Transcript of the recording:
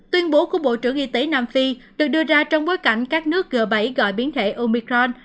tuyên bố của bộ trưởng y tế nam phi được đưa ra trong bối cảnh các nước g bảy gọi biến thể omicron